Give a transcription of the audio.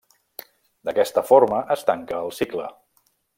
D'aquesta forma es tanca el cicle.